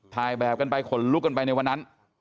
ถ่ายแบบกันไปขนลุกกันไปในวันนั้น